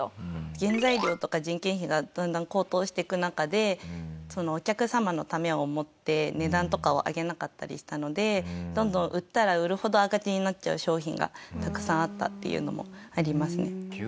原材料とか人件費がだんだん高騰していく中でお客様のためを思って値段とかは上げなかったりしたのでどんどん売ったら売るほど赤字になっちゃう商品がたくさんあったっていうのもありますね。